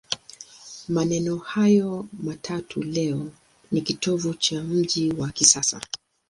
Maeneo hayo matatu leo ni kitovu cha mji wa kisasa.